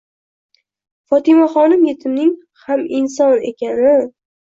Fotnmaxonim yetimning ham inson ekani